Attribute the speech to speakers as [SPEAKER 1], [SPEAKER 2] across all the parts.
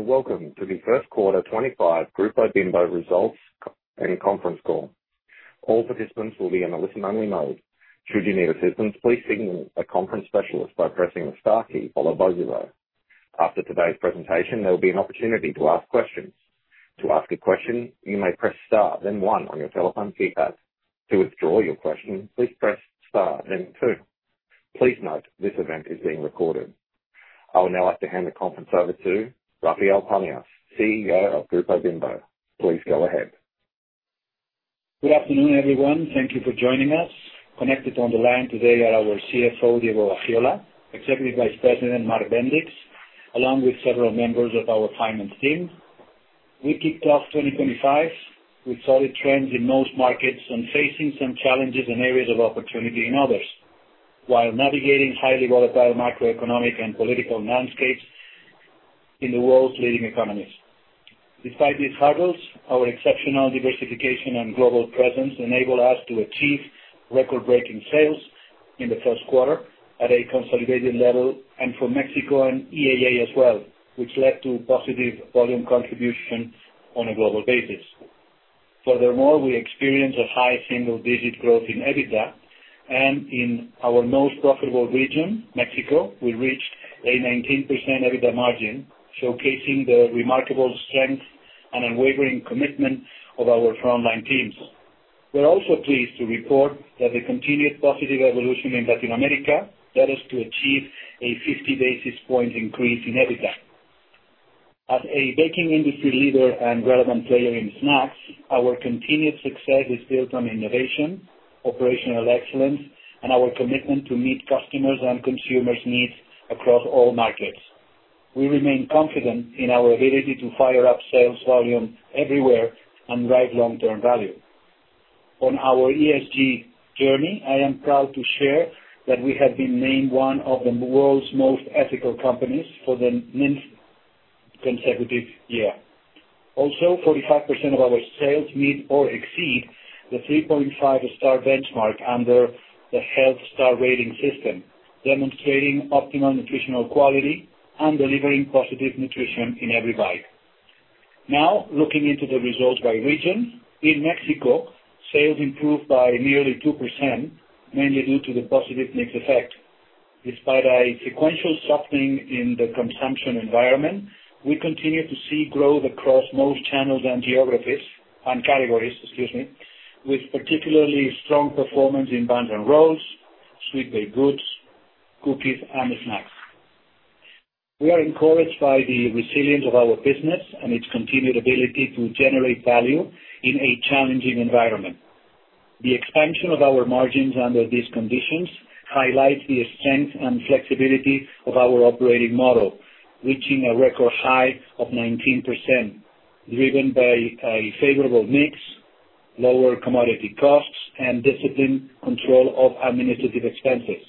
[SPEAKER 1] Welcome to the first quarter 2025 Grupo Bimbo results and conference call. All participants will be in a listen-only mode. Should you need assistance, please signal a conference specialist by pressing the star key followed by zero. After today's presentation, there will be an opportunity to ask questions. To ask a question, you may press star, then one on your telephone keypad. To withdraw your question, please press star, then two. Please note this event is being recorded. I would now like to hand the conference over to Rafael Pamias, CEO of Grupo Bimbo. Please go ahead.
[SPEAKER 2] Good afternoon, everyone. Thank you for joining us. Connected on the line today are our CFO, Diego Gaxiola Cuevas, Executive Vice President, Mark Bendix, along with several members of our finance team. We kicked off 2025 with solid trends in most markets and facing some challenges in areas of opportunity in others, while navigating highly volatile macroeconomic and political landscapes in the world's leading economies. Despite these hurdles, our exceptional diversification and global presence enabled us to achieve record-breaking sales in the first quarter at a consolidated level and for Mexico and EAA as well, which led to positive volume contribution on a global basis. Furthermore, we experienced a high single-digit growth in EBITDA, and in our most profitable region, Mexico, we reached a 19% EBITDA margin, showcasing the remarkable strength and unwavering commitment of our frontline teams. We're also pleased to report that the continued positive evolution in Latin America led us to achieve a 50 basis point increase in EBITDA. As a baking industry leader and relevant player in snacks, our continued success is built on innovation, operational excellence, and our commitment to meet customers' and consumers' needs across all markets. We remain confident in our ability to fire up sales volume everywhere and drive long-term value. On our ESG journey, I am proud to share that we have been named one of the world's most ethical companies for the ninth consecutive year. Also, 45% of our sales meet or exceed the 3.5-star benchmark under the Health Star Rating System, demonstrating optimal nutritional quality and delivering positive nutrition in every bite. Now, looking into the results by region, in Mexico, sales improved by nearly 2%, mainly due to the positive mix effect. Despite a sequential softening in the consumption environment, we continue to see growth across most channels and geographies and categories, excuse me, with particularly strong performance in buns and rolls, sweet baked goods, cookies, and snacks. We are encouraged by the resilience of our business and its continued ability to generate value in a challenging environment. The expansion of our margins under these conditions highlights the strength and flexibility of our operating model, reaching a record high of 19%, driven by a favorable mix, lower commodity costs, and disciplined control of administrative expenses.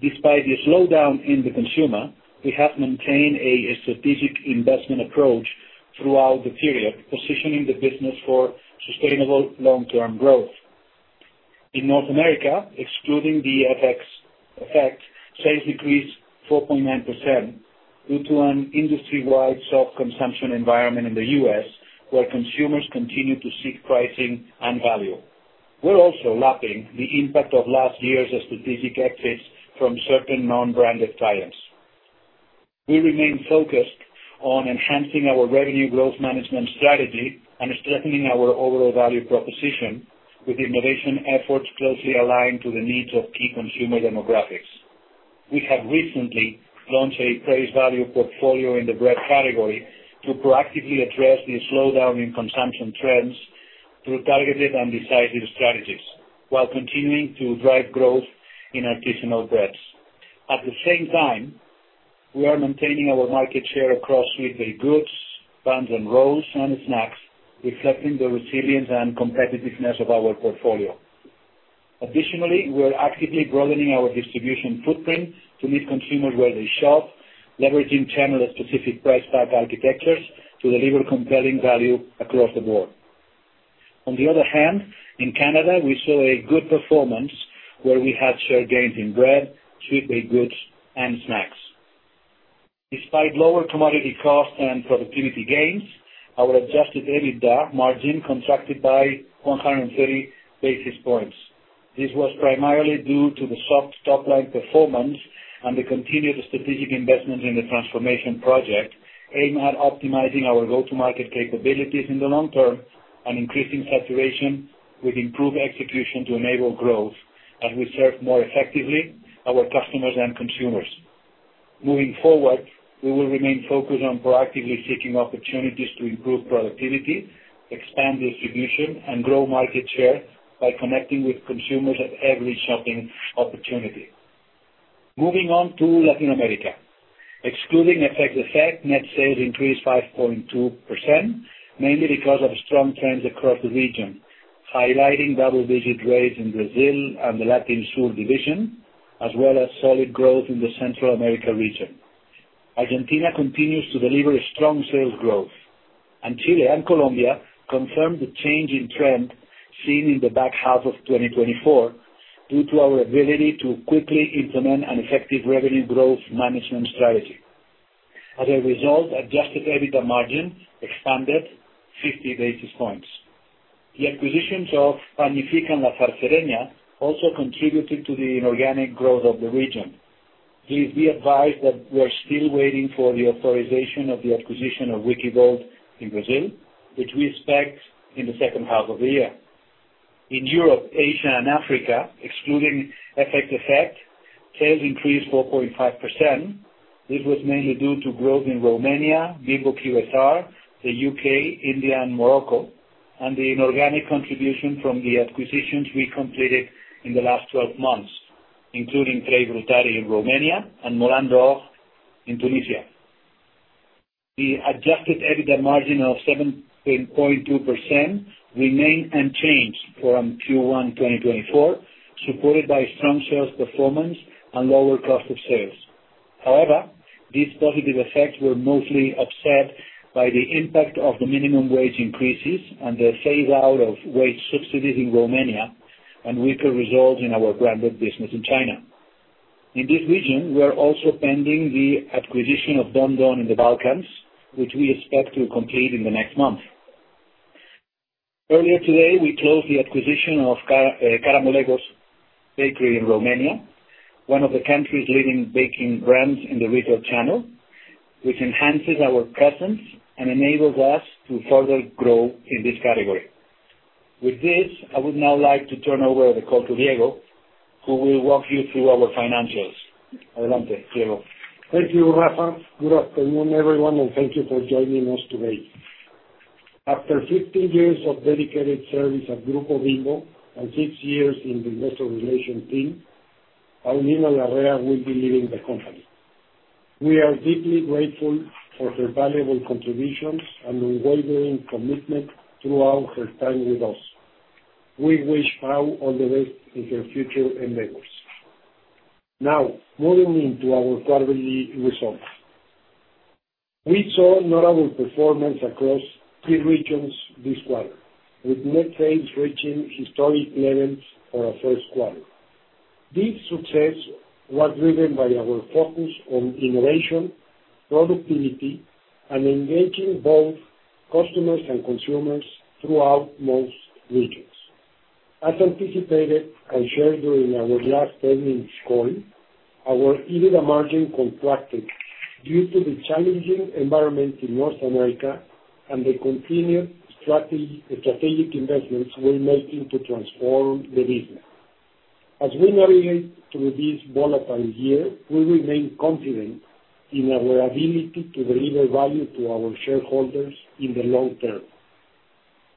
[SPEAKER 2] Despite the slowdown in the consumer, we have maintained a strategic investment approach throughout the period, positioning the business for sustainable long-term growth. In North America, excluding the FX effect, sales decreased 4.9% due to an industry-wide soft consumption environment in the U.S., where consumers continue to seek pricing and value. We're also lapping the impact of last year's strategic exits from certain non-branded clients. We remain focused on enhancing our revenue growth management strategy and strengthening our overall value proposition with innovation efforts closely aligned to the needs of key consumer demographics. We have recently launched a price value portfolio in the bread category to proactively address the slowdown in consumption trends through targeted and decisive strategies, while continuing to drive growth in artisanal breads. At the same time, we are maintaining our market share across sweet baked goods, buns and rolls, and snacks, reflecting the resilience and competitiveness of our portfolio. Additionally, we're actively broadening our distribution footprint to meet consumers where they shop, leveraging channel-specific price tag architectures to deliver compelling value across the board. On the other hand, in Canada, we saw a good performance where we had share gains in bread, sweet baked goods, and snacks. Despite lower commodity costs and productivity gains, our adjusted EBITDA margin contracted by 130 basis points. This was primarily due to the soft top-line performance and the continued strategic investment in the transformation project, aimed at optimizing our go-to-market capabilities in the long term and increasing saturation with improved execution to enable growth as we serve more effectively our customers and consumers. Moving forward, we will remain focused on proactively seeking opportunities to improve productivity, expand distribution, and grow market share by connecting with consumers at every shopping opportunity. Moving on to Latin America, excluding FX effect, net sales increased 5.2%, mainly because of strong trends across the region, highlighting double-digit rates in Brazil and the Latin-Sur division, as well as solid growth in the Central America region. Argentina continues to deliver strong sales growth, and Chile and Colombia confirmed the change in trend seen in the back half of 2024 due to our ability to quickly implement an effective revenue growth management strategy. As a result, adjusted EBITDA margin expanded 50 basis points. The acquisitions of Pagnifique andLa Zarcereña also contributed to the inorganic growth of the region. Please be advised that we're still waiting for the authorization of the acquisition of Wickbold in Brazil, which we expect in the second half of the year. In Europe, Asia, and Africa, excluding FX effect, sales increased 4.5%. This was mainly due to growth in Romania, Bimbo QSR, the U.K., India, and Morocco, and the inorganic contribution from the acquisitions we completed in the last 12 months, including Trei Brutari in Romania and Moulin d'Or in Tunisia. The adjusted EBITDA margin of 7.2% remained unchanged from Q1 2024, supported by strong sales performance and lower cost of sales. However, these positive effects were mostly upset by the impact of the minimum wage increases and the phase-out of wage subsidies in Romania and weaker results in our branded business in China. In this region, we're also pending the acquisition of Dondon in the Balkans, which we expect to complete in the next month. Earlier today, we closed the acquisition of Karamolegos Bakery in Romania, one of the country's leading baking brands in the retail channel, which enhances our presence and enables us to further grow in this category. With this, I would now like to turn over the call to Diego, who will walk you through our financials. Adelante, Diego.
[SPEAKER 3] Thank you, Rafael. Good afternoon, everyone, and thank you for joining us today. After 15 years of dedicated service at Grupo Bimbo and 6 years in the investor relations team, Paulina Larrea will be leaving the company. We are deeply grateful for her valuable contributions and unwavering commitment throughout her time with us. We wish Pao all the best in her future endeavors. Now, moving into our quarterly results, we saw notable performance across three regions this quarter, with net sales reaching historic levels for a first quarter. This success was driven by our focus on innovation, productivity, and engaging both customers and consumers throughout most regions. As anticipated and shared during our last 10-minute call, our EBITDA margin contracted due to the challenging environment in North America and the continued strategic investments we made to transform the business. As we navigate through this volatile year, we remain confident in our ability to deliver value to our shareholders in the long term.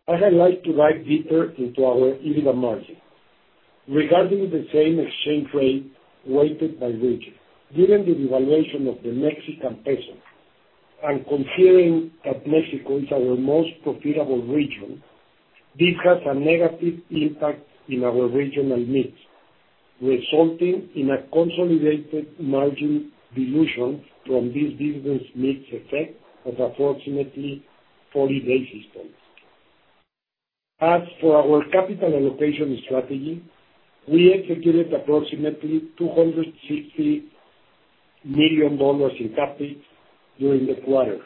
[SPEAKER 3] I'd like to dive deeper into our EBITDA margin. Regarding the same exchange rate weighted by region, given the devaluation of the Mexican peso and considering that Mexico is our most profitable region, this has a negative impact in our regional mix, resulting in a consolidated margin dilution from this business mix effect of approximately 40 basis points. As for our capital allocation strategy, we executed approximately $260 million in capital during the quarter,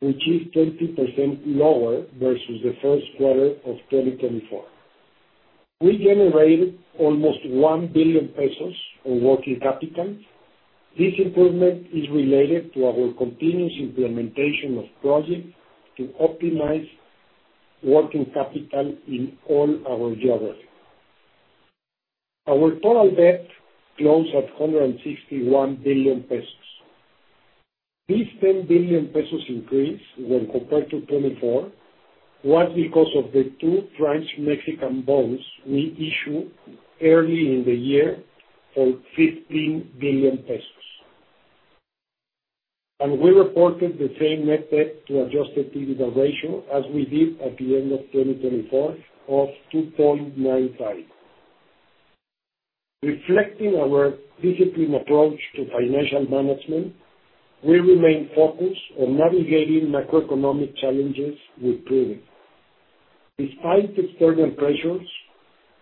[SPEAKER 3] which is 20% lower versus the first quarter of 2024. We generated almost $1 billion in working capital. This improvement is related to our continuous implementation of projects to optimize working capital in all our geography. Our total debt closed at 161 billion pesos. This $10 billion increase when compared to 2024 was because of the two French-Mexican bonds we issued early in the year for 15 billion pesos. We reported the same net debt to adjusted EBITDA ratio as we did at the end of 2024 of 2.95. Reflecting our disciplined approach to financial management, we remain focused on navigating macroeconomic challenges we have proven. Despite external pressures,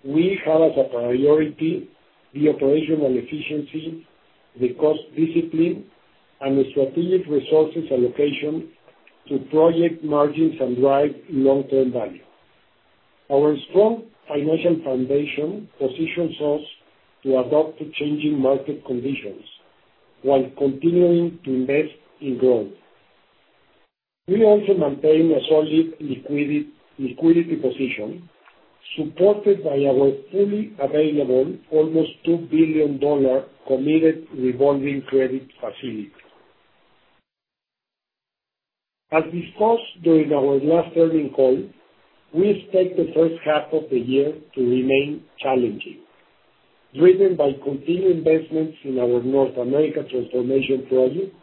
[SPEAKER 3] we have as a priority the operational efficiency, the cost discipline, and the strategic resources allocation to project margins and drive long-term value. Our strong financial foundation positions us to adapt to changing market conditions while continuing to invest in growth. We also maintain a solid liquidity position supported by our fully available almost $2 billion committed revolving credit facility. As discussed during our last earnings call, we expect the first half of the year to remain challenging, driven by continued investments in our North America transformation project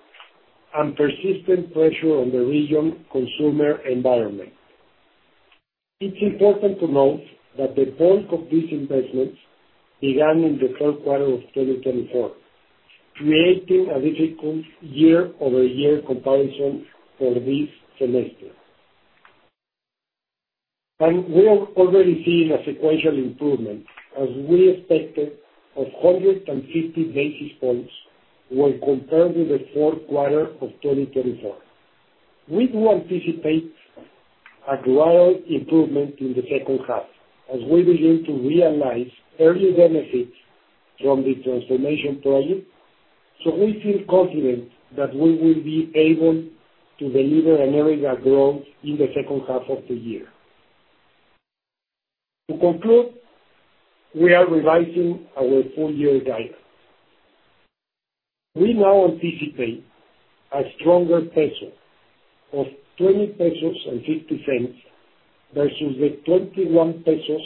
[SPEAKER 3] and persistent pressure on the region's consumer environment. It is important to note that the bulk of these investments began in the third quarter of 2024, creating a difficult year-over-year comparison for this semester. We are already seeing a sequential improvement, as we expected, of 150 basis points when compared with the fourth quarter of 2024. We do anticipate a gradual improvement in the second half as we begin to realize earlier benefits from the transformation project, so we feel confident that we will be able to deliver energetic growth in the second half of the year. To conclude, we are revising our full-year guidance. We now anticipate a stronger peso of 20.50 pesos versus the 21.00 pesos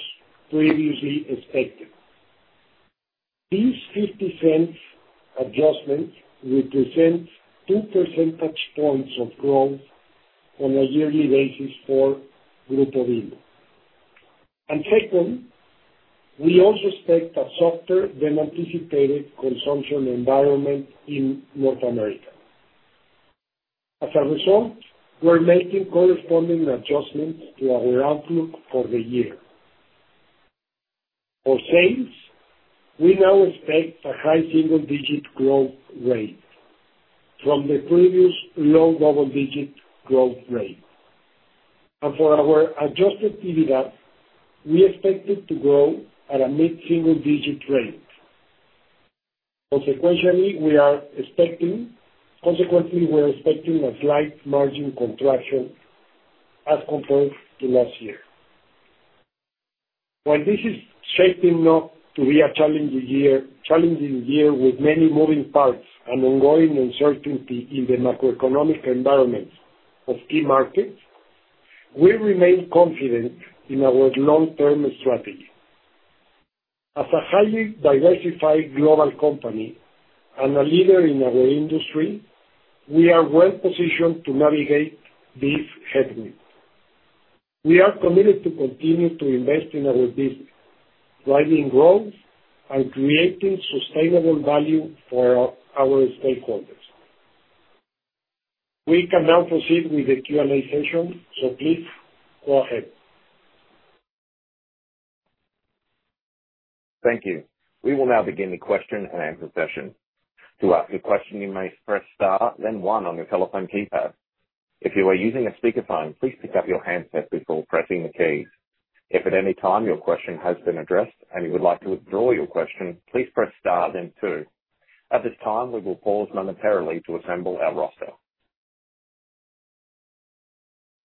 [SPEAKER 3] previously expected. These $0.50 adjustments represent 2 percentage points of growth on a yearly basis for Grupo Bimbo. Second, we also expect a softer than anticipated consumption environment in North America. As a result, we are making corresponding adjustments to our outlook for the year. For sales, we now expect a high single-digit growth rate from the previous low double-digit growth rate. For our adjusted EBITDA, we expect it to grow at a mid-single-digit rate. Consequently, we are expecting a slight margin contraction as compared to last year. While this is shaping up to be a challenging year with many moving parts and ongoing uncertainty in the macroeconomic environment of key markets, we remain confident in our long-term strategy. As a highly diversified global company and a leader in our industry, we are well-positioned to navigate these headwinds. We are committed to continue to invest in our business, driving growth, and creating sustainable value for our stakeholders. We can now proceed with the Q&A session, so please go ahead.
[SPEAKER 1] Thank you. We will now begin the question and answer session. To ask a question, you may press Star, then 1 on your telephone keypad. If you are using a speakerphone, please pick up your handset before pressing the keys. If at any time your question has been addressed and you would like to withdraw your question, please press Star, then 2. At this time, we will pause momentarily to assemble our roster.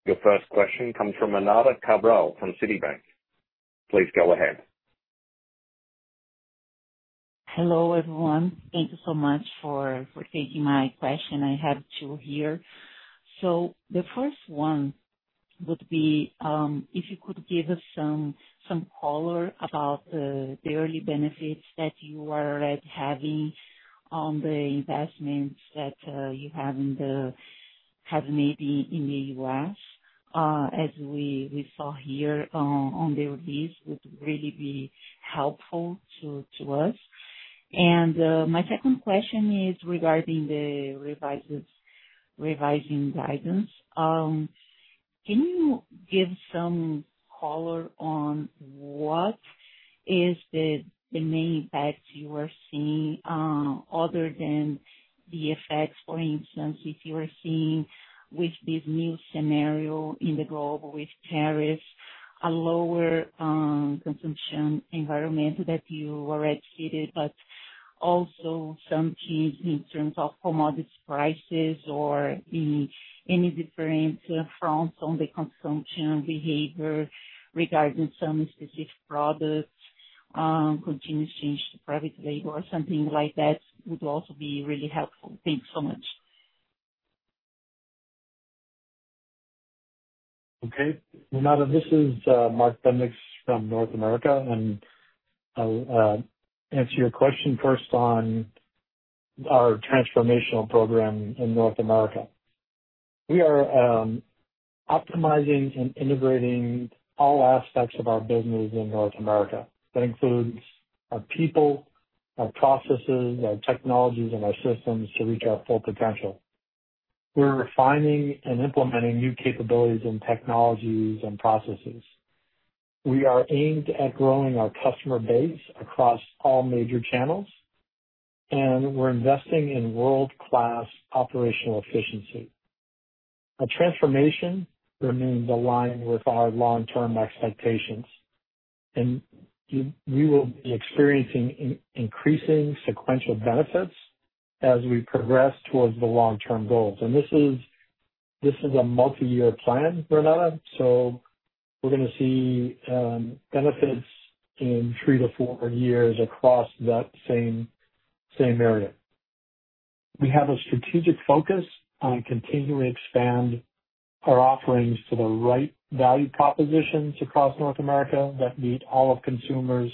[SPEAKER 1] Your first question comes from Renata Cabral from Citibank. Please go ahead.
[SPEAKER 4] Hello, everyone. Thank you so much for taking my question. I have two here. The first one would be if you could give us some color about the early benefits that you are already having on the investments that you have in the U.S., as we saw here on the release, would really be helpful to us. My second question is regarding the revising guidance. Can you give some color on what is the main impact you are seeing other than the FX, for instance, if you are seeing with this new scenario in the globe with tariffs, a lower consumption environment that you already cited, but also some change in terms of commodity prices or any different fronts on the consumption behavior regarding some specific products, continuous change to private label, something like that would also be really helpful. Thanks so much.
[SPEAKER 5] Okay. Renata, this is Mark Bendix from North America. I'll answer your question first on our transformational program in North America. We are optimizing and integrating all aspects of our business in North America. That includes our people, our processes, our technologies, and our systems to reach our full potential. We're refining and implementing new capabilities and technologies and processes. We are aimed at growing our customer base across all major channels, and we're investing in world-class operational efficiency. Our transformation remains aligned with our long-term expectations, and we will be experiencing increasing sequential benefits as we progress towards the long-term goals. This is a multi-year plan, Renata, so we're going to see benefits in three to four years across that same area. We have a strategic focus on continuing to expand our offerings to the right value propositions across North America that meet all of consumers'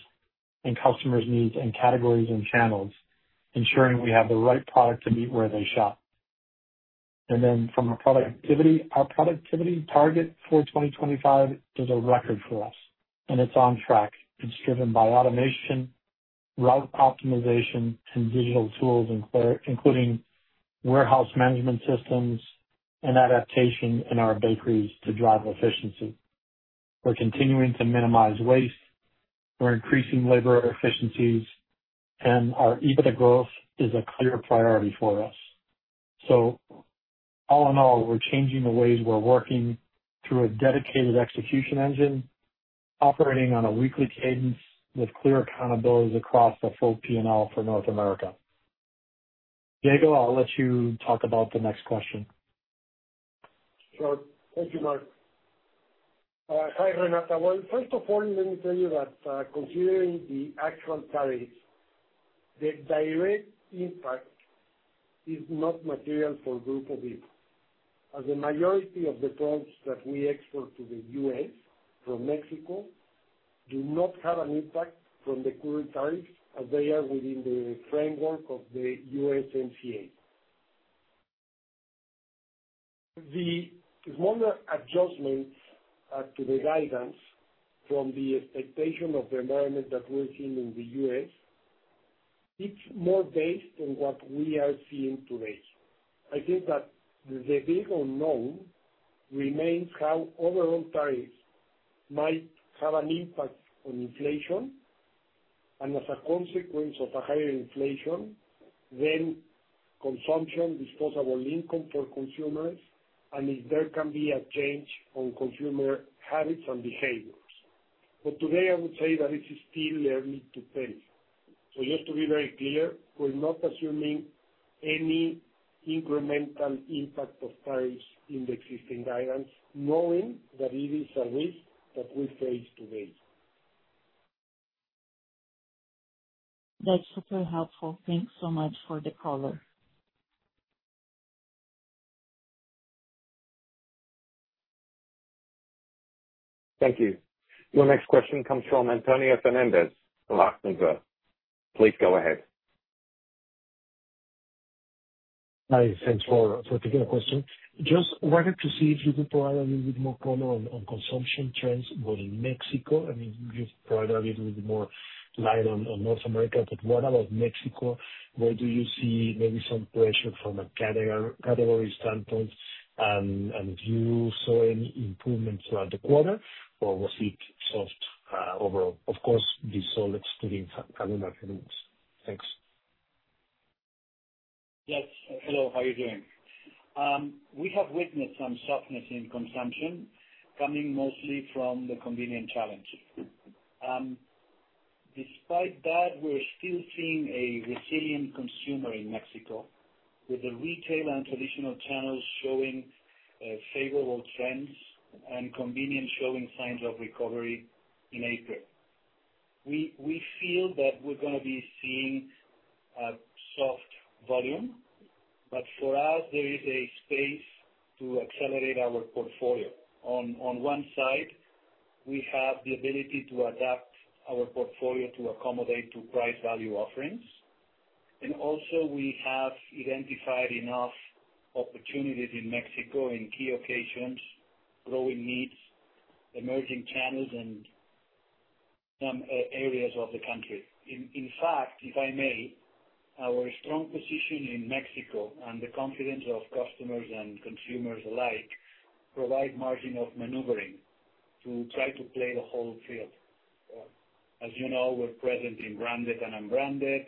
[SPEAKER 5] and customers' needs and categories and channels, ensuring we have the right product to meet where they shop. From our productivity, our productivity target for 2025 is a record for us, and it's on track. It's driven by automation, route optimization, and digital tools, including warehouse management systems and adaptation in our bakeries to drive efficiency. We're continuing to minimize waste. We're increasing labor efficiencies, and our EBITDA growth is a clear priority for us. All in all, we're changing the ways we're working through a dedicated execution engine, operating on a weekly cadence with clear accountability across the full P&L for North America. Diego, I'll let you talk about the next question.
[SPEAKER 3] Sure. Thank you, Mark. Hi, Renata. First of all, let me tell you that considering the actual tariffs, the direct impact is not material for Grupo Bimbo. As the majority of the products that we export to the U.S. from Mexico do not have an impact from the current tariffs, as they are within the framework of the USMCA. The smaller adjustments to the guidance from the expectation of the environment that we're seeing in the U.S., it's more based on what we are seeing today. I think that the big unknown remains how overall tariffs might have an impact on inflation and, as a consequence of a higher inflation, then consumption, disposable income for consumers, and if there can be a change on consumer habits and behaviors. Today, I would say that it's still early to tell. Just to be very clear, we're not assuming any incremental impact of tariffs in the existing guidance, knowing that it is a risk that we face today.
[SPEAKER 4] That's super helpful. Thanks so much for the color.
[SPEAKER 1] Thank you. Your next question comes from Antonio Fernandez of Luxembourg. Please go ahead.
[SPEAKER 6] Hi. Thanks for taking the question. Just wanted to see if you could provide a little bit more color on consumption trends in Mexico. I mean, you've provided a little bit more light on North America, but what about Mexico? Where do you see maybe some pressure from a category standpoint, and do you see any improvements throughout the quarter, or was it soft overall? Of course, this all excluding Carmen Bertilles. Thanks.
[SPEAKER 2] Yes. Hello. How are you doing? We have witnessed some softness in consumption coming mostly from the convenience challenge. Despite that, we're still seeing a resilient consumer in Mexico, with the retail and traditional channels showing favorable trends and convenience showing signs of recovery in April. We feel that we're going to be seeing a soft volume, but for us, there is a space to accelerate our portfolio. On one side, we have the ability to adapt our portfolio to accommodate to price value offerings. Also, we have identified enough opportunities in Mexico in key occasions, growing needs, emerging channels, and some areas of the country. In fact, if I may, our strong position in Mexico and the confidence of customers and consumers alike provide margin of maneuvering to try to play the whole field. As you know, we're present in branded and unbranded.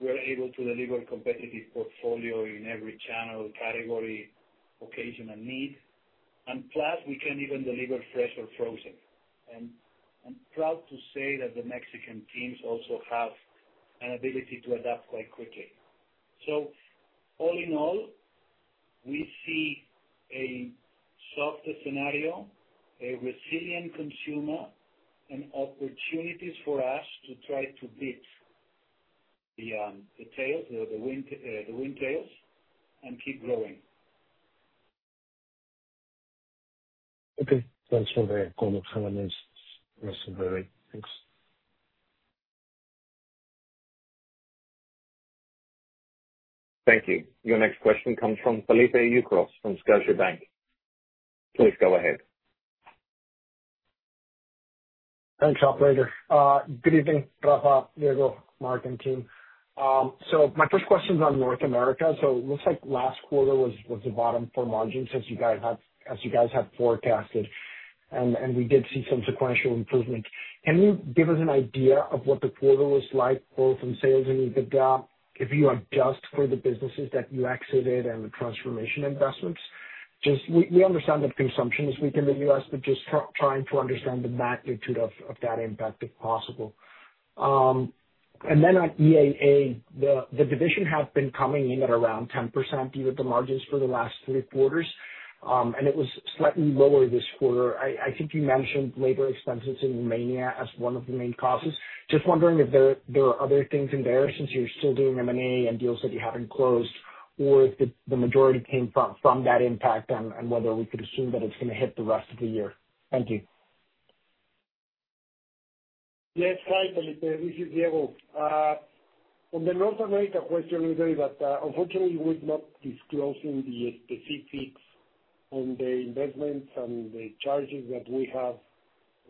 [SPEAKER 2] We're able to deliver a competitive portfolio in every channel, category, occasion, and need. Plus, we can even deliver fresh or frozen. I'm proud to say that the Mexican teams also have an ability to adapt quite quickly. All in all, we see a soft scenario, a resilient consumer, and opportunities for us to try to beat the wind tails and keep growing. Okay. Thanks for the call, Antonio Fernandez.
[SPEAKER 6] Thanks.
[SPEAKER 1] Thank you. Your next question comes from Felipe Ucros Nunez from Scotiabank. Please go ahead.
[SPEAKER 7] Thanks, operator. Good evening, Rafa, Diego, Mark, and team. My first question is on North America. It looks like last quarter was the bottom for margins as you guys had forecasted, and we did see some sequential improvement. Can you give us an idea of what the quarter was like, both in sales and EBITDA, if you adjust for the businesses that you exited and the transformation investments? We understand that consumption is weak in the U.S., but just trying to understand the magnitude of that impact, if possible. On EAA, the division had been coming in at around 10% EBITDA margins for the last three quarters, and it was slightly lower this quarter. I think you mentioned labor expenses in Romania as one of the main causes. Just wondering if there are other things in there since you're still doing M&A and deals that you haven't closed, or if the majority came from that impact and whether we could assume that it's going to hit the rest of the year. Thank you.
[SPEAKER 3] Yes. Hi, Felipe. This is Diego. On the North America question, I'll tell you that, unfortunately, we're not disclosing the specifics on the investments and the charges that we have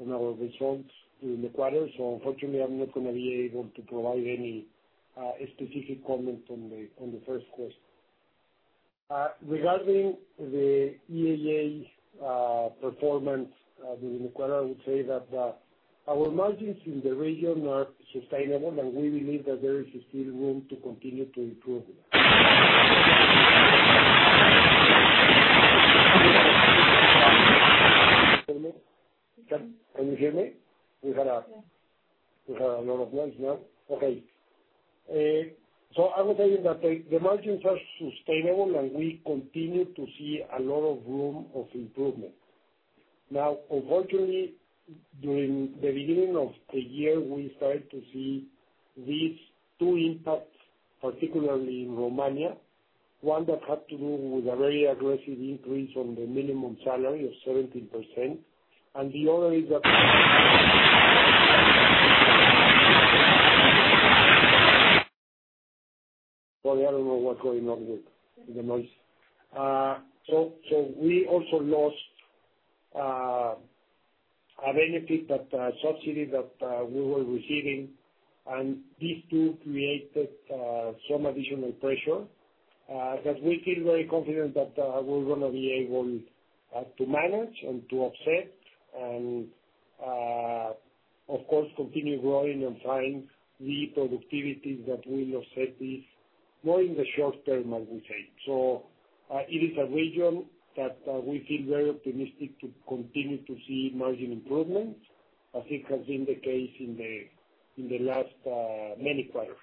[SPEAKER 3] on our results during the quarter. Unfortunately, I'm not going to be able to provide any specific comments on the first question. Regarding the EAA performance during the quarter, I would say that our margins in the region are sustainable, and we believe that there is still room to continue to improve. Can you hear me? We had a lot of noise now. Okay. I would tell you that the margins are sustainable, and we continue to see a lot of room of improvement. Now, unfortunately, during the beginning of the year, we started to see these two impacts, particularly in Romania, one that had to do with a very aggressive increase on the minimum salary of 17%, and the other is that, sorry, I don't know what's going on with the noise. We also lost a benefit, a subsidy that we were receiving, and these two created some additional pressure that we feel very confident that we're going to be able to manage and to offset and, of course, continue growing and find the productivities that will offset this more in the short term, I would say. It is a region that we feel very optimistic to continue to see margin improvements, as it has been the case in the last many quarters.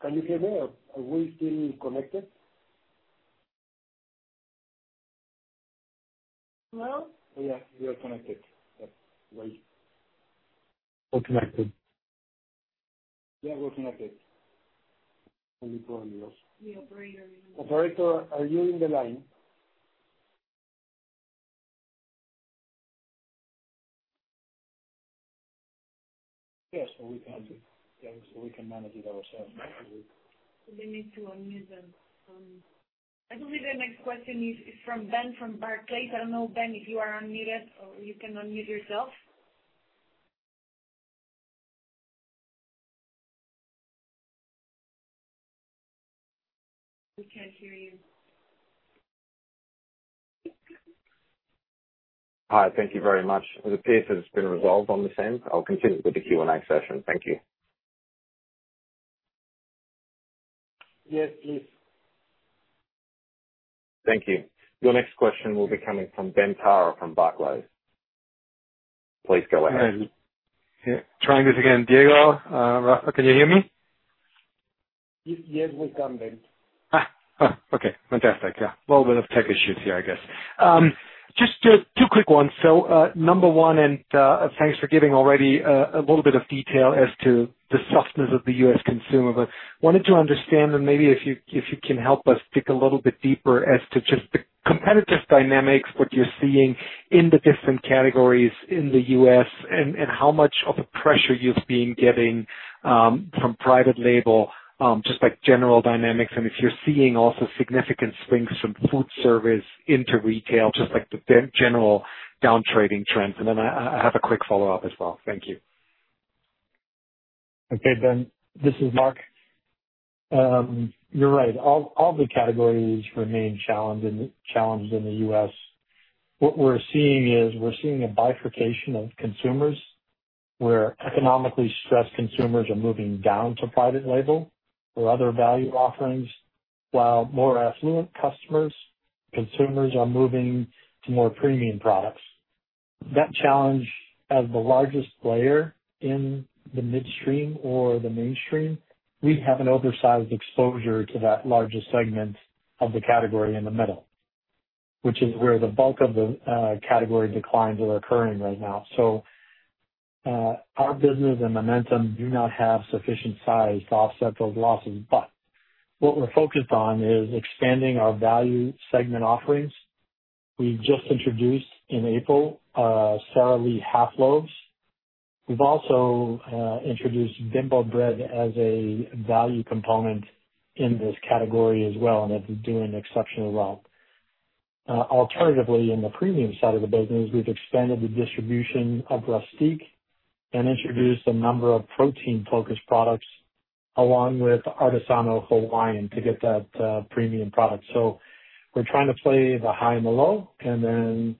[SPEAKER 3] Can you hear me? Are we still connected?
[SPEAKER 8] Hello?
[SPEAKER 1] Yeah. We are connected. Wait.
[SPEAKER 3] We're connected.
[SPEAKER 1] Yeah, we're connected.
[SPEAKER 6] You probably also.
[SPEAKER 8] The operator.
[SPEAKER 3] Operator, are you in the line? Yes. We can manage it ourselves.
[SPEAKER 1] We need to unmute them. I believe the next question is from Ben Froehlich from Barclays. I do not know, Ben, if you are unmuted or you can unmute yourself. We cannot hear you. Hi. Thank you very much. The piece has been resolved on the same. I'll continue with the Q&A session. Thank you.
[SPEAKER 3] Yes, please.
[SPEAKER 1] Thank you. Your next question will be coming from Ben Froehlich from Barclays.. Please go ahead.
[SPEAKER 9] Yeah. Trying this again. Diego, Rafa, can you hear me?
[SPEAKER 3] Yes, we can, Ben.
[SPEAKER 10] Okay. Fantastic. Yeah. A little bit of tech issues here, I guess. Just two quick ones. Number one, and thanks for giving already a little bit of detail as to the softness of the U.S. consumer, but wanted to understand, and maybe if you can help us dig a little bit deeper as to just the competitive dynamics, what you're seeing in the different categories in the U.S., and how much of a pressure you've been getting from private label, just general dynamics, and if you're seeing also significant swings from food service into retail, just the general downtrading trends. I have a quick follow-up as well. Thank you.
[SPEAKER 5] Okay, Ben. This is Mark. You're right. All the categories remain challenged in the U.S. What we're seeing is we're seeing a bifurcation of consumers where economically stressed consumers are moving down to private label or other value offerings, while more affluent customers, consumers are moving to more premium products. That challenge as the largest player in the midstream or the mainstream, we have an oversized exposure to that larger segment of the category in the middle, which is where the bulk of the category declines are occurring right now. Our business and momentum do not have sufficient size to offset those losses, but what we're focused on is expanding our value segment offerings. We've just introduced in April Sara Lee Half-Loves. We've also introduced Bimbo Bread as a value component in this category as well, and it's doing exceptionally well. Alternatively, in the premium side of the business, we've expanded the distribution of Rustik and introduced a number of protein-focused products along with Artesano Hawaiian to get that premium product. We are trying to play the high and the low, and then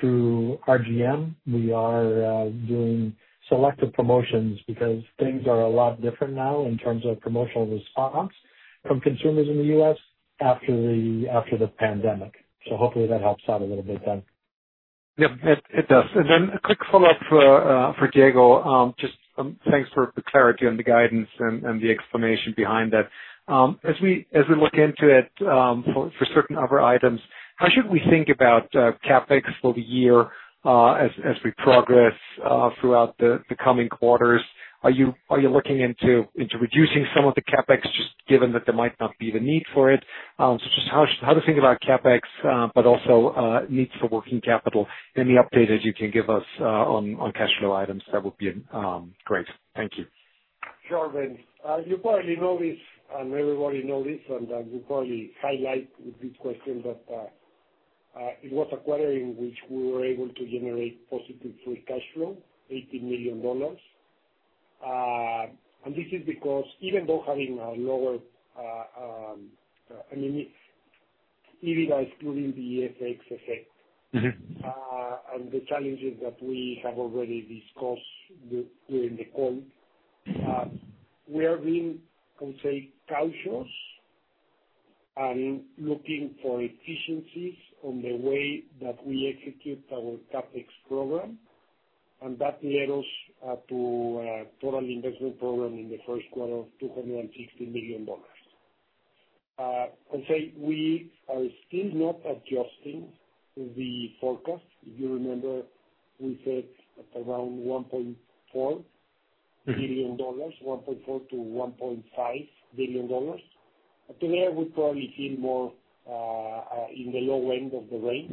[SPEAKER 5] through RGM, we are doing selective promotions because things are a lot different now in terms of promotional response from consumers in the U.S. after the pandemic. Hopefully, that helps out a little bit then.
[SPEAKER 10] Yep. It does. A quick follow-up for Diego. Just thanks for the clarity on the guidance and the explanation behind that. As we look into it for certain other items, how should we think about CapEx for the year as we progress throughout the coming quarters? Are you looking into reducing some of the CapEx just given that there might not be the need for it? Just how to think about CapEx, but also needs for working capital, and the update that you can give us on cash flow items, that would be great. Thank you.
[SPEAKER 3] Sure, Ben. You probably know this, and everybody knows this, and I would probably highlight with this question that it was a quarter in which we were able to generate positive free cash flow, $18 million. This is because even though having a lower—I mean, even excluding the FX effect and the challenges that we have already discussed during the call, we have been, I would say, cautious and looking for efficiencies on the way that we execute our CapEx program, and that led us to a total investment program in the first quarter of $260 million. I would say we are still not adjusting the forecast. If you remember, we said around $1.4 billion, $1.4-$1.5 billion. Today, we probably feel more in the low end of the range.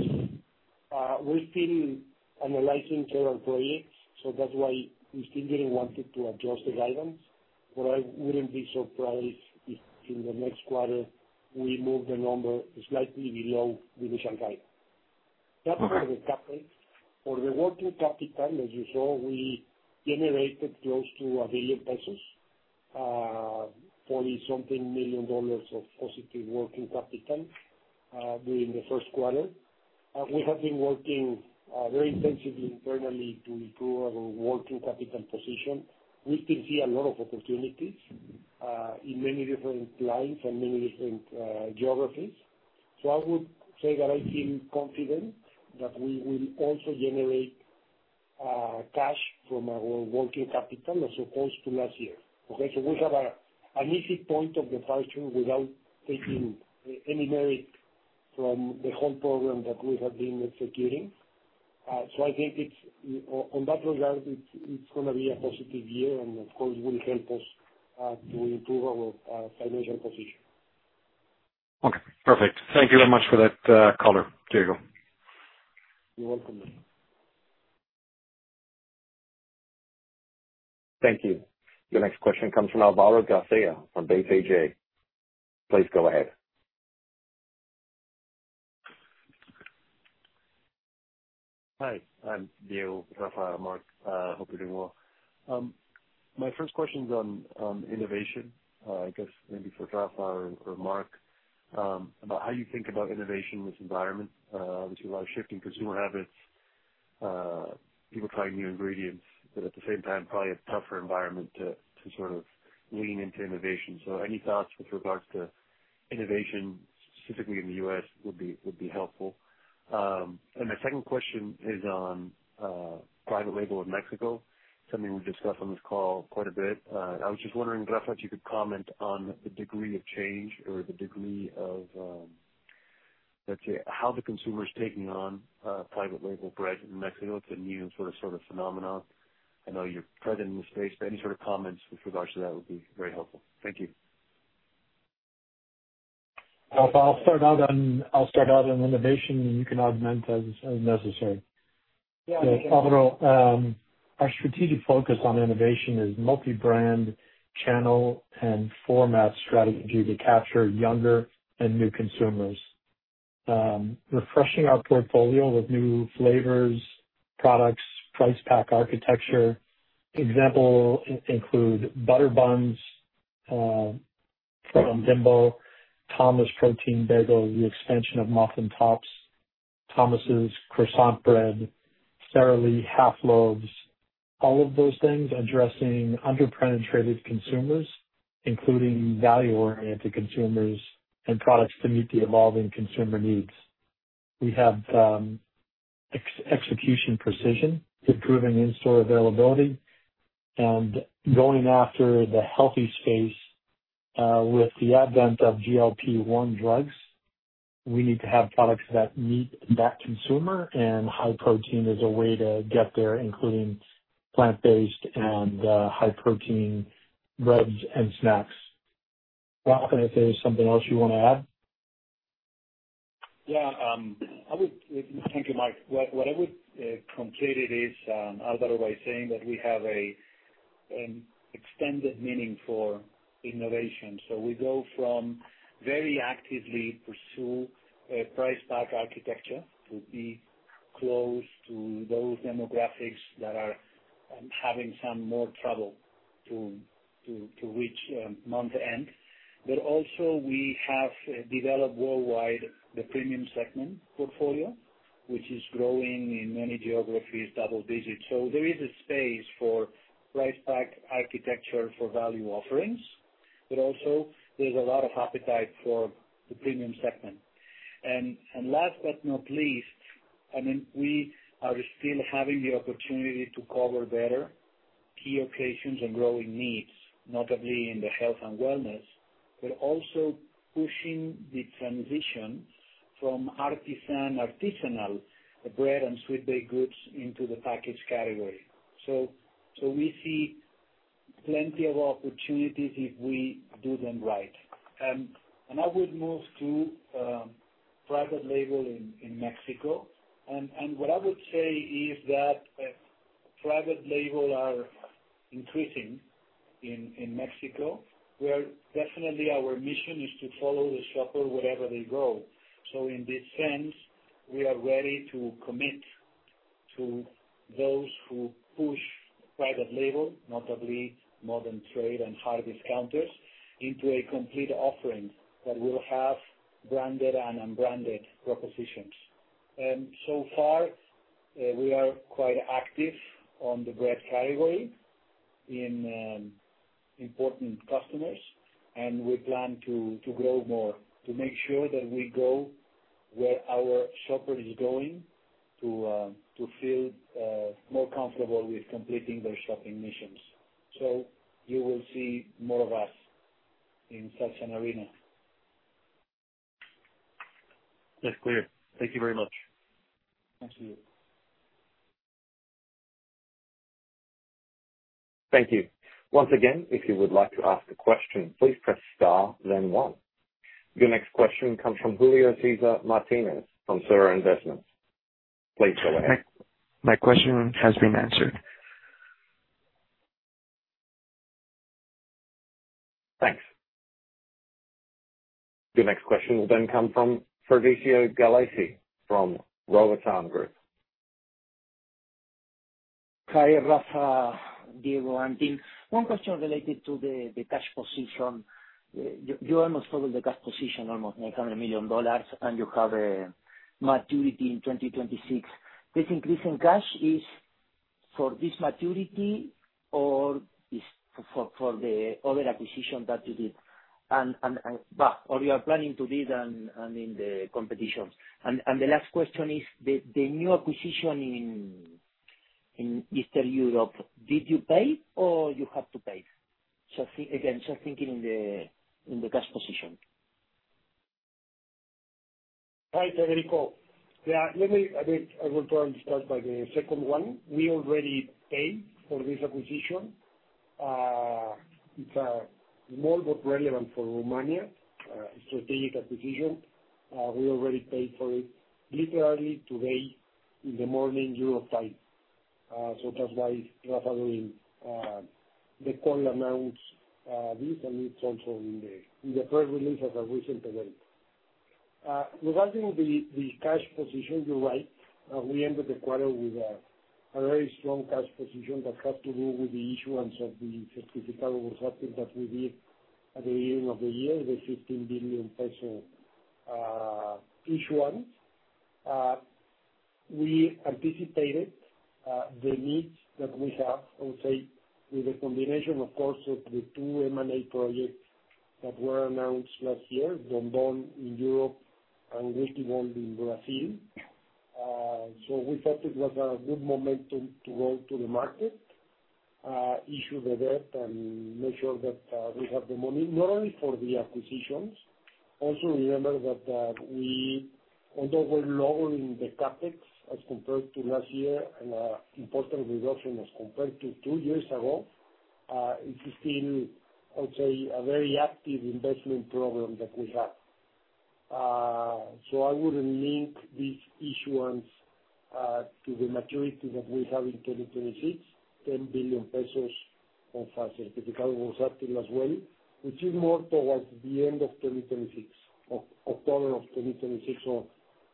[SPEAKER 3] We are still analyzing several projects, so that's why we still did not want to adjust the guidance. I would not be surprised if in the next quarter we move the number slightly below the initial guidance. That is for the CapEx. For the working capital, as you saw, we generated close to 1 billion pesos, $40-something million of positive working capital during the first quarter. We have been working very intensively internally to improve our working capital position. We still see a lot of opportunities in many different lines and many different geographies. I would say that I feel confident that we will also generate cash from our working capital as opposed to last year. We have an easy point of departure without taking any merit from the whole program that we have been executing. I think in that regard, it is going to be a positive year, and of course, it will help us to improve our financial position.
[SPEAKER 10] Okay. Perfect. Thank you very much for that, Diego.
[SPEAKER 3] You're welcome, Ben.
[SPEAKER 1] Thank you. The next question comes from Alvaro Garcia from BTG Pactual. Please go ahead.
[SPEAKER 11] Hi. I'm Diego, Rafa, Mark. Hope you're doing well. My first question is on innovation, I guess, maybe for Rafa or Mark, about how you think about innovation in this environment. Obviously, a lot of shifting consumer habits, people trying new ingredients, but at the same time, probably a tougher environment to sort of lean into innovation. Any thoughts with regards to innovation, specifically in the U.S., would be helpful. My second question is on private label in Mexico, something we've discussed on this call quite a bit. I was just wondering, Rafa, if you could comment on the degree of change or the degree of, let's say, how the consumer is taking on private label bread in Mexico. It's a new sort of phenomenon. I know you're present in the space, but any sort of comments with regards to that would be very helpful. Thank you.
[SPEAKER 7] I'll start out on innovation, and you can augment as necessary.
[SPEAKER 11] Yeah.
[SPEAKER 7] Thank you.
[SPEAKER 5] Our strategic focus on innovation is multi-brand channel and format strategy to capture younger and new consumers. Refreshing our portfolio with new flavors, products, price-packed architecture. Examples include Butter Buns from Bimbo, Thomas Protein Bagel, the expansion of Muffin Tops, Thomas' Croissant Bread, Sara Lee Half-Loves, all of those things addressing underpenetrated consumers, including value-oriented consumers and products to meet the evolving consumer needs. We have execution precision, improving in-store availability, and going after the healthy space. With the advent of GLP-1 drugs, we need to have products that meet that consumer, and high protein is a way to get there, including plant-based and high protein breads and snacks. Rafa, if there's something else you want to add.
[SPEAKER 3] Yeah. Thank you, Mark. What I would complete is, Alvaro was saying that we have an extended meaning for innovation. We go from very actively pursuing a price-packed architecture to be close to those demographics that are having some more trouble to reach month-end. We have also developed worldwide the premium segment portfolio, which is growing in many geographies, double-digit. There is a space for price-packed architecture for value offerings, but also there is a lot of appetite for the premium segment. Last but not least, I mean, we are still having the opportunity to cover better key occasions and growing needs, notably in the health and wellness, but also pushing the transition from artisanal bread and sweet baked goods into the packaged category. We see plenty of opportunities if we do them right. I would move to private label in Mexico. What I would say is that private label are increasing in Mexico, where definitely our mission is to follow the shopper wherever they go. In this sense, we are ready to commit to those who push private label, notably modern trade and hard discounters, into a complete offering that will have branded and unbranded propositions. So far, we are quite active on the bread category in important customers, and we plan to grow more to make sure that we go where our shopper is going to feel more comfortable with completing their shopping missions. You will see more of us in such an arena.
[SPEAKER 11] That's clear. Thank you very much.
[SPEAKER 3] Thank you.
[SPEAKER 1] Thank you. Once again, if you would like to ask a question, please press star, then one. Your next question comes from Julio Cesar Martinez from Sura Investments. Please go ahead.
[SPEAKER 12] My question has been answered.
[SPEAKER 1] Thanks. Your next question will then come from Federico Galassi from The Rohatyn Group.
[SPEAKER 13] Hi, Rafa, Diego, and Ben. One question related to the cash position. You almost covered the cash position, almost $900 million, and you have a maturity in 2026. This increase in cash is for this maturity or for the other acquisition that you did or you are planning to do in the competition? The last question is the new acquisition in Eastern Europe, did you pay or you have to pay? Again, just thinking in the cash position. Hi, Federico. Yeah. I will try and start by the second one. We already paid for this acquisition. It's a small but relevant for Romania, a strategic acquisition. We already paid for it literally today in the morning Europe time. That is why Rafa during the call announced this, and it's also in the press release as I recently read. Regarding the cash position, you're right.
[SPEAKER 3] We ended the quarter with a very strong cash position that has to do with the issuance of the certificate of what happened that we did at the beginning of the year, the MXN 15 billion issuance. We anticipated the needs that we have, I would say, with the combination, of course, of the two M&A projects that were announced last year, Dondon in Europe and Wikivault in Brazil. We thought it was a good momentum to go to the market, issue the debt, and make sure that we have the money, not only for the acquisitions. Also, remember that although we're lowering the CapEx as compared to last year and an important reduction as compared to two years ago, it's still, I would say, a very active investment program that we have. I would not link this issuance to the maturity that we have in 2026, 10 billion pesos of a certificate of what happened as well, which is more towards the end of 2026, October of 2026.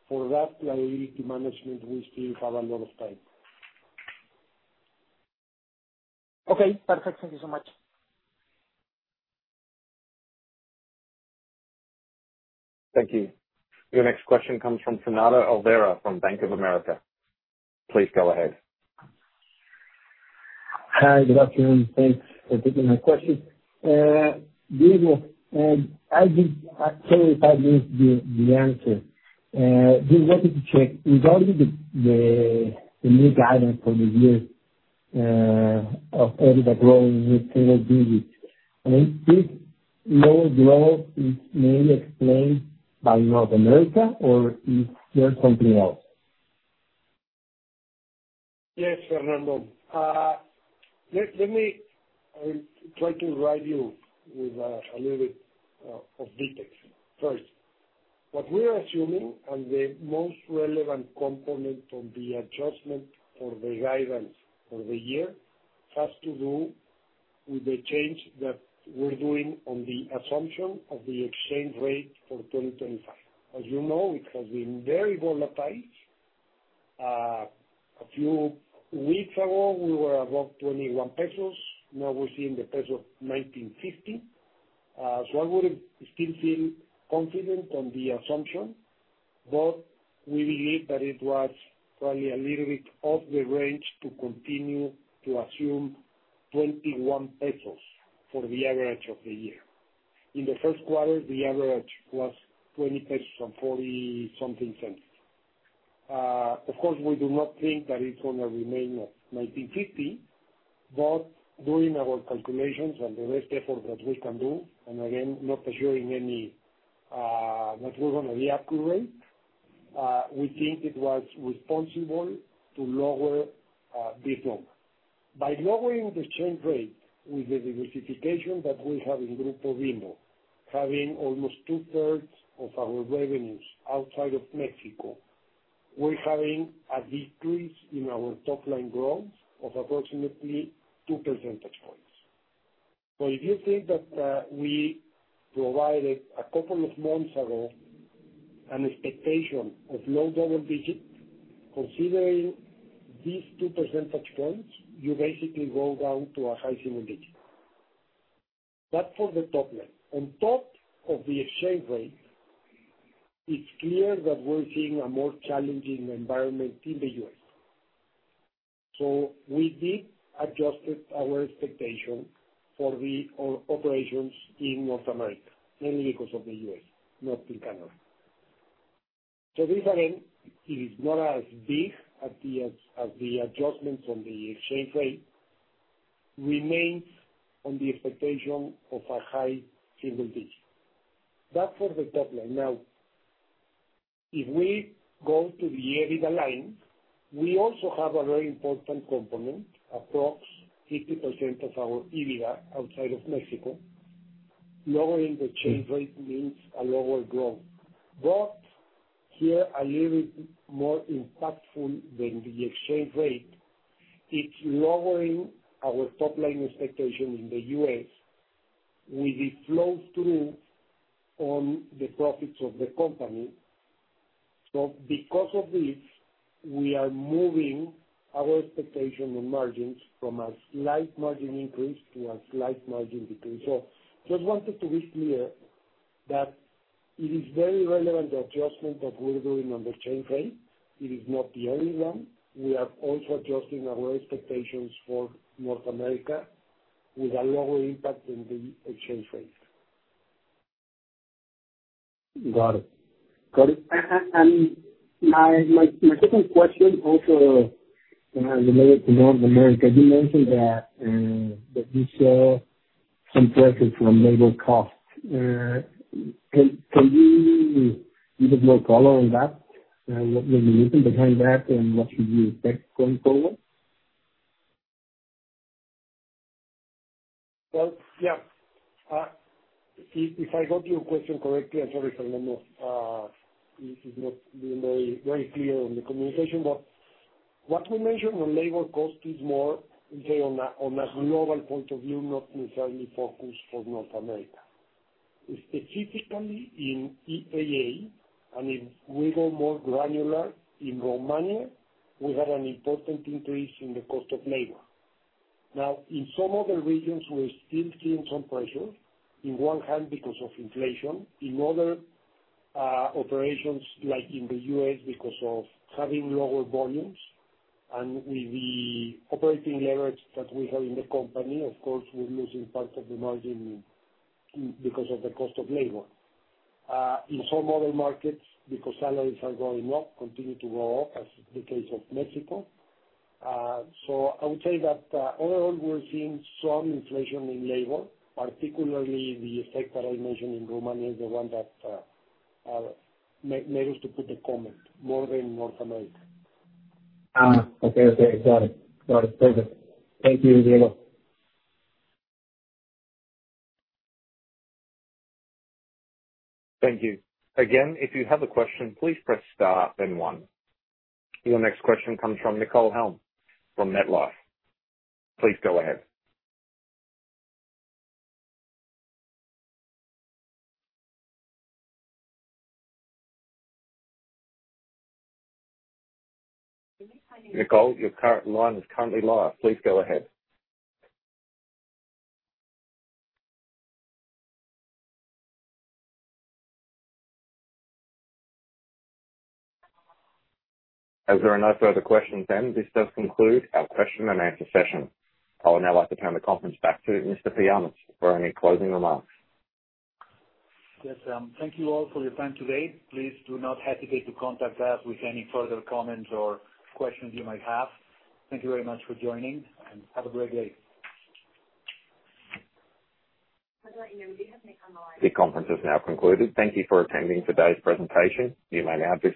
[SPEAKER 3] For that liability management, we still have a lot of time. Okay. Perfect. Thank you so much.
[SPEAKER 1] Thank you. Your next question comes from Fernando Alvera from Bank of America. Please go ahead.
[SPEAKER 14] Hi. Good afternoon. Thanks for taking my question. Diego, I think actually I need the answer. Just wanted to check. Regarding the new guidance for the year of all the growth with single digits, I mean, this lower growth is mainly explained by North America or is there something else?
[SPEAKER 3] Yes, Fernando. Let me try to guide you with a little bit of details. First, what we're assuming and the most relevant component of the adjustment for the guidance for the year has to do with the change that we're doing on the assumption of the exchange rate for 2025. As you know, it has been very volatile. A few weeks ago, we were above 21 pesos. Now we're seeing the peso at 19.50. I would still feel confident on the assumption, but we believe that it was probably a little bit off the range to continue to assume 21 pesos for the average of the year. In the first quarter, the average was 20.40 pesos something cents. Of course, we do not think that it's going to remain at 19.50, but doing our calculations and the best effort that we can do, and again, not assuring any that we're going to be accurate, we think it was responsible to lower this number. By lowering the exchange rate with the diversification that we have in Grupo Bimbo, having almost two-thirds of our revenues outside of Mexico, we're having a decrease in our top-line growth of approximately 2 percentage points. If you think that we provided a couple of months ago an expectation of low double digits, considering these 2 percentage points, you basically go down to a high single digit. That's for the top line. On top of the exchange rate, it's clear that we're seeing a more challenging environment in the U.S.
[SPEAKER 14] We did adjust our expectation for the operations in North America, mainly because of the U.S., not in Canada. This event is not as big as the adjustment on the exchange rate, remains on the expectation of a high single digit. That is for the top line. Now, if we go to the EBITDA line, we also have a very important component, approximately 50% of our EBITDA outside of Mexico. Lowering the exchange rate means a lower growth. Here, a little bit more impactful than the exchange rate, it is lowering our top-line expectation in the U.S. with the flow-through on the profits of the company. Because of this, we are moving our expectation on margins from a slight margin increase to a slight margin decrease. I just wanted to be clear that it is very relevant, the adjustment that we are doing on the exchange rate.
[SPEAKER 3] It is not the only one. We are also adjusting our expectations for North America with a lower impact than the exchange rate.
[SPEAKER 14] Got it. Got it. My second question also related to North America. You mentioned that you saw some pressure from labor costs. Can you give us more color on that? What was the reason behind that and what should you expect going forward? Yeah. If I got your question correctly, I'm sorry, Fernando. This is not being very clear on the communication, but what we mentioned on labor cost is more, let's say, on a global point of view, not necessarily focused for North America. Specifically in EAA, and if we go more granular, in Romania, we had an important increase in the cost of labor. Now, in some other regions, we're still seeing some pressure. On one hand, because of inflation. In other operations, like in the U.S., because of having lower volumes. With the operating leverage that we have in the company, of course, we're losing part of the margin because of the cost of labor. In some other markets, because salaries are going up, continue to go up, as is the case of Mexico. I would say that overall, we're seeing some inflation in labor, particularly the effect that I mentioned in Romania, the one that made us to put the comment, more than North America. Okay. Okay. Got it. Got it. Perfect. Thank you, Diego.
[SPEAKER 1] Thank you. Again, if you have a question, please press star and one. Your next question comes from Nicole Helm from MetLife. Please go ahead. Nicole, your line is currently live. Please go ahead. As there are no further questions, this does conclude our question and answer session. I would now like to turn the conference back to Mr. Pamias for any closing remarks.
[SPEAKER 2] Yes, thank you all for your time today. Please do not hesitate to contact us with any further comments or questions you might have. Thank you very much for joining, and have a great day. I'd like to know, do you have any comment on the line?
[SPEAKER 1] The conference has now concluded. Thank you for attending today's presentation. You may now.